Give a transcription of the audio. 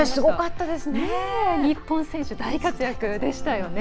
日本選手、世界で大活躍でしたよね。